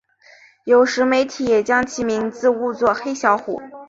有时媒体也将其名字误作黑小虎。